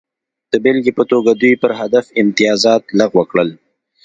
د بېلګې په توګه دوی پر هدف امتیازات لغوه کړل